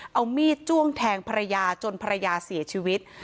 เอามีดจ้วงแทงภรรยาจนภรรยาเสียชีวิต